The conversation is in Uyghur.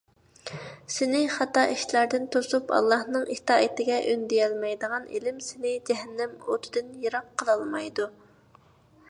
سېنى خاتا ئىشلاردىن توسۇپ، ئاللاھنىڭ ئىتائىتىگە ئۈندىيەلمەيدىغان ئىلىم سېنى جەھەننەم ئوتىدىن يىراق قىلالمايدۇ.